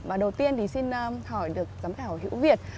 và đầu tiên thì xin hỏi được giám khảo hữu việt